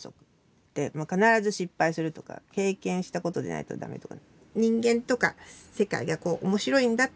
必ず失敗するとか経験したことでないとだめとか。